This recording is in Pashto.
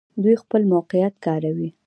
دوی خپل موقعیت کاروي.